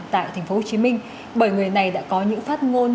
tại tp hcm bởi người này đã có những phát ngôn